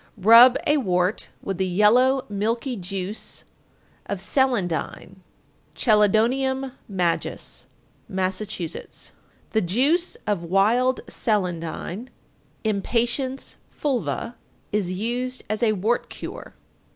_ 889. Rub a wart with the yellow milky juice of celandine (Chelidonium majus). Massachusetts. 890. The juice of "wild celandine" (Impatiens fulva) is used as a wart cure.